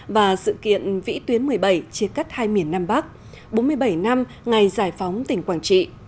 và sự kiện vĩ tuyến một mươi bảy chia cắt hai miền nam bắc bốn mươi bảy năm ngày giải phóng tỉnh quảng trị